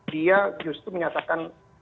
dia justru menyatakan